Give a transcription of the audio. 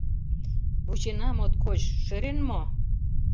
Вучена моткоч, шӧрен мо?